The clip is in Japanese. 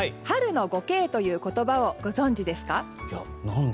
春の５Ｋという言葉をご存じですか？